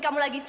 kau mau ngajak